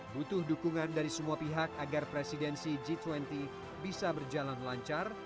butuh dukungan dari semua pihak agar presidensi g dua puluh bisa berjalan lancar